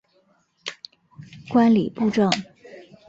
观礼部政。